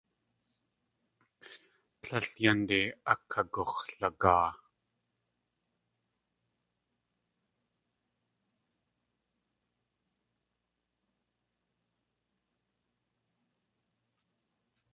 Tlél yánde akagux̲lagaa.